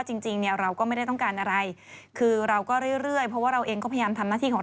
จริงจริงจริงจริงจริงจริงจริงจริงจริงจริง